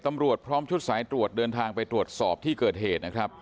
ตำรวจพร้อมชุดสายตรวจเดินทางไปตรวจสอบที่เกิดเหตุนะครับ